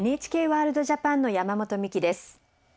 「ＮＨＫワールドＪＡＰＡＮ」の山本美希です。